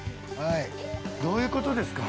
どういうことですか？